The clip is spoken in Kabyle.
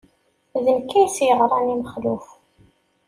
D nekk ay as-yeɣran i Mexluf.